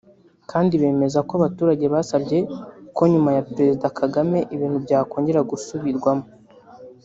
kandi bemeza ko abaturage basabye ko nyuma ya President Kagame ibintu byakongera gusubirwamo